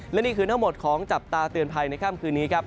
และนี่คือทั้งหมดของจับตาเตือนภัยในค่ำคืนนี้ครับ